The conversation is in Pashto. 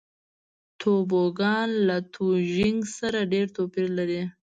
توبوګان له لوژینګ سره ډېر توپیر لري.